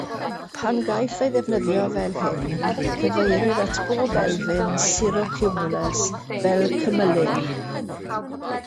Pan gaiff ei ddefnyddio fel hyn, cyfeirir at bob elfen cirrocumulus fel "cymylyn".